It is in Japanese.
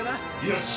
よし。